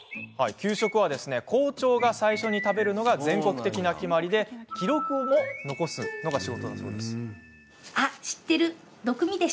給食は、校長が最初に食べるのが全国的な決まりで記録を残すのが仕事。